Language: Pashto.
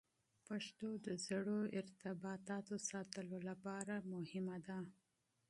پښتو د زړو ارتباطاتو ساتلو لپاره مهمه ده.